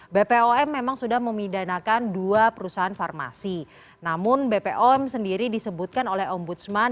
bpom memang sudah memidanakan dua perusahaan farmasi namun bpom sendiri disebutkan oleh ombudsman